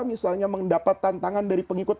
misalnya mendapat tantangan dari pengikut